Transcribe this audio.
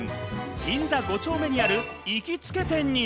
銀座５丁目にある行きつけ店に。